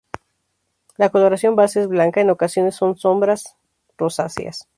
La coloración base es blanca, en ocasiones con sombras rosáceas.